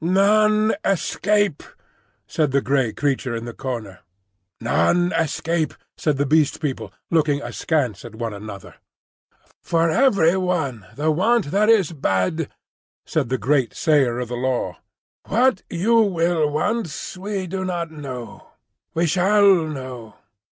"None escape," said the grey creature in the corner. "None escape," said the Beast People, looking askance at one another. "For every one the want that is bad," said the grey Sayer of the Law. "What you will want we do not know; we shall know.